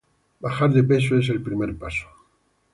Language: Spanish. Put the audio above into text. Bajar de peso es el primer paso